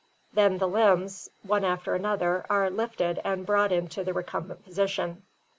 1 Then the limbs, one after another, are lifted and brought into the recumbent position.